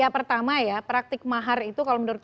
pertama ya praktik mahar itu kalau menurut